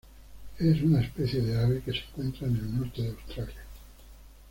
Es una especie de ave que se encuentra en el norte de Australia.